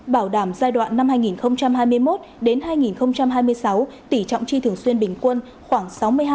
bảo đảm giai đoạn năm hai nghìn hai mươi một hai nghìn hai mươi sáu tỉ trọng chi thường xuyên bình quân khoảng sáu mươi hai sáu mươi ba